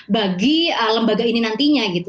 bagi lembaga ini nantinya gitu